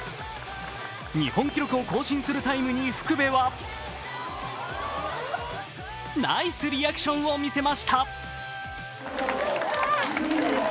日本記録を更新するタイムに福部はナイスリアクションをみせました。